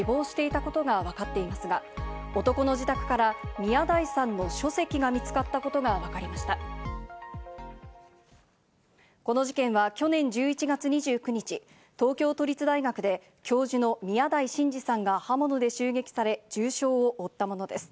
この事件は去年１１月２９日、東京都立大学で教授の宮台真司さんが刃物で襲撃され、重傷を負ったものです。